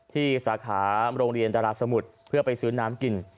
สาขาโรงเรียนดาราสมุทรเพื่อไปซื้อน้ำกิน